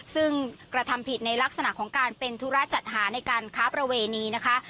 ซึ่งกระทำผิดในลักษณะของการเป็นธุระจัดหาในการค้าประเวณีนะคะ